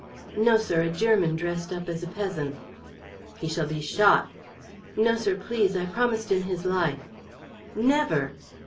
"No, sir, a German dressed up as a peasant." "He shall be shot." "No, sir, please. I promised him his life." "Never!"